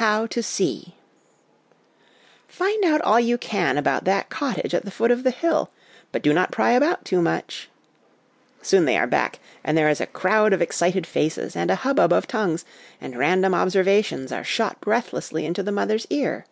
How to See. ' Find out all you can about that cottage at the foot of the hill ; but do not pry about too much.' Soon they are back, and there is a crowd of excited faces, and a hubbub of tongues, and random observations are shot breathlessly into the mother's ear.